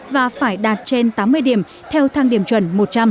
và phải đạt trên tám mươi điểm theo thang điểm chuẩn một trăm linh